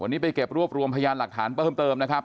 วันนี้ไปเก็บรวบรวมพยานหลักฐานเพิ่มเติมนะครับ